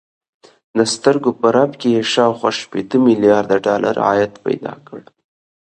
د سترګو په رپ کې يې شاوخوا شپېته ميليارده ډالر عايد پيدا کړ.